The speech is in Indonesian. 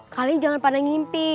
kalian jangan pada ngimpi